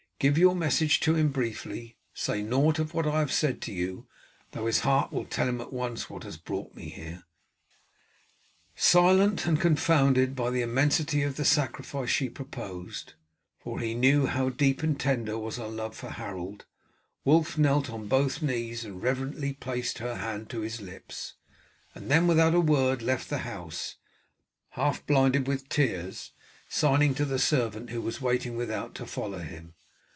Give your message to him briefly; say naught of what I have said to you, though his heart will tell him at once what has brought me here." Silent, and confounded by the immensity of the sacrifice she proposed, for he knew how deep and tender was her love for Harold, Wulf knelt on both knees and reverently placed her hand to his lips, and then without a word left the house, half blinded with tears, signing to the servant, who was waiting without, to follow him.